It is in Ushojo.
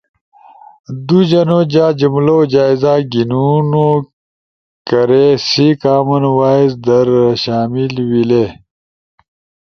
دُو جنو جا جملوؤ جائزہ گھینونو کیرے سی کامن وائس در شامل ویلے۔